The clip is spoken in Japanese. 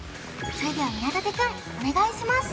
それでは宮舘くんお願いします